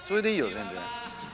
全然。